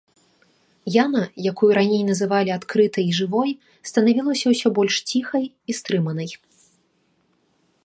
Яна, якую раней называлі адкрытай і жывой, станавілася ўсё больш ціхай і стрыманай.